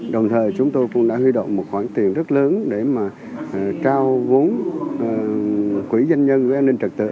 đồng thời chúng tôi cũng đã huy động một khoản tiền rất lớn để mà trao vốn quỹ doanh nhân về an ninh trật tự